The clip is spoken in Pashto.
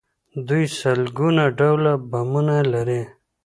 دوی سلګونه ډوله بمونه لري.